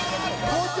校長！